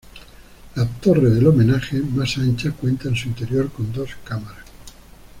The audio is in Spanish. La torre del homenaje, más ancha, cuenta en su interior con dos cámaras.